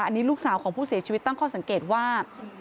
อันนี้ลูกสาวของผู้เสียชีวิตตั้งข้อสังเกตว่า